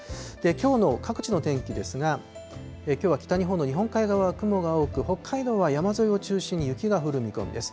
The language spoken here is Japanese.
きょうの各地の天気ですが、きょうは北日本の日本海側は雲が多く、北海道は山沿いを中心に雪が降る見込みです。